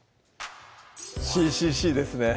ＣＣＣですね